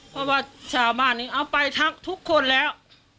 เพราะว่าชาวบ้านนี้เอาไปทักทุกคนแล้ว